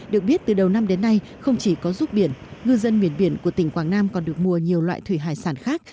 được biết từ đầu năm đến nay không chỉ có ruốc biển ngư dân miền biển của tỉnh quảng nam còn được mua nhiều loại thủy hải sản khác